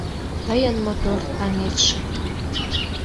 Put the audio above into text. Тыйын мотор таҥетше